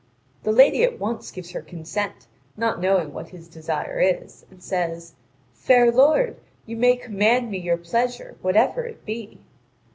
The lady at once gives her consent, not knowing what his desire is, and says: "Fair lord, you may command me your pleasure, whatever it be."